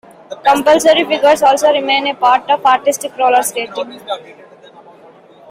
Compulsory figures also remain a part of artistic roller skating.